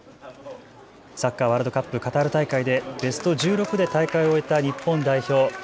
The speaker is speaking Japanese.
サッカーワールドカップカタール大会でベスト１６で大会を終えた日本代表。